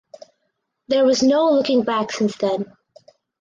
There was no looking back since then.